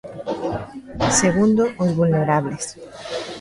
Segundo, os vulnerables.